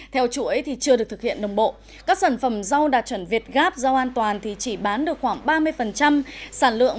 theo chuỗi thì chưa được thực hiện đồng bộ các sản phẩm rau đạt chuẩn việt gáp rau an toàn thì chỉ bán được khoảng ba mươi sản lượng